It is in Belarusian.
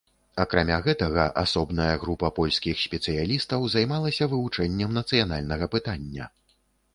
Акрамя гэтага, асобная група польскіх спецыялістаў займалася вывучэннем нацыянальнага пытання.